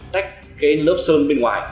tách cái lớp sơn bên ngoài